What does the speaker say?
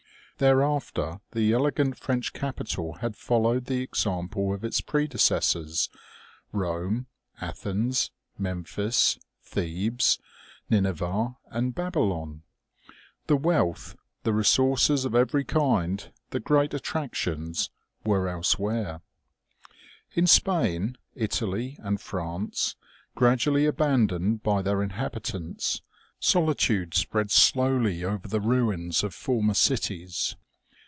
There after the elegant French capital had followed the example of its predecessors, Rome, Athens, Memphis, Thebes, Nine veh and Babylon. The wealth, the resources of every kind, the great attractions, were elsewhere. In Spain, Italy and France, gradually abandoned by their inhabitants, solitude spread slowly over the ruins of former cities.